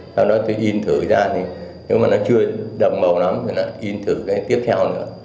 sau đó tôi in thử ra nếu mà nó chưa đập màu lắm thì in thử cái tiếp theo nữa